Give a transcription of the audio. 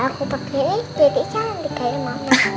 kalau aku pake ini jadi cantik aja mama